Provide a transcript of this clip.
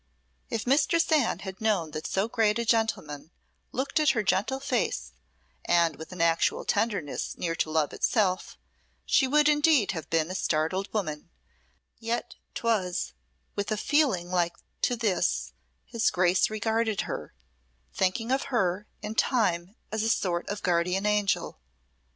If Mistress Anne had known that so great a gentleman looked at her gentle face and with an actual tenderness near to love itself, she would indeed have been a startled woman, yet 'twas with a feeling like to this his Grace regarded her, thinking of her in time as a sort of guardian angel.